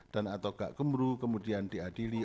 dan atau gakkumdu kemudian diadili